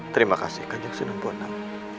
terima kasih kanjeng sunan puan